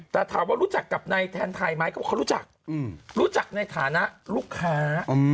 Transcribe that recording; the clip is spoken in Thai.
แต่ถามว่ารู้จักกับนายแทนไทยไหมเขาบอกเขารู้จักรู้จักในฐานะลูกค้า